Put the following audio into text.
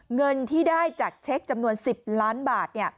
เงินที่ได้จากเช็คจำนวน๑๐ล้านบาท